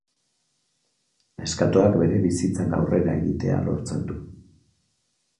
Neskatoak bere bizitzan aurrera egitea lortzen du.